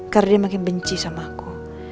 karena dia makin benci sama aku